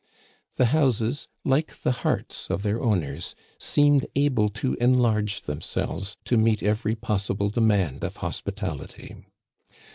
The houses, like the hearts of their owners, seemed able to enlarge themselves to naeet every possible demand of hospital ity